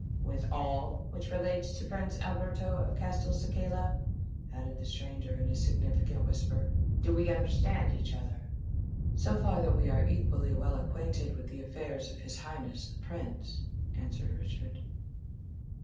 "With all which relates to Prince Alberto of Castelcicala?" added the stranger, in a significant whisper. "Do we understand each other?" "So far that we are equally well acquainted with the affairs of his Highness the Prince," answered Richard.